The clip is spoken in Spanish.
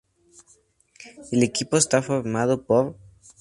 El equipo está formado por.